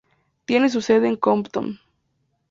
Tiene su sede en Compton.